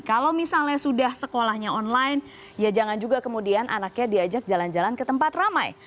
kalau misalnya sudah sekolahnya online ya jangan juga kemudian anaknya diajak jalan jalan ke tempat ramai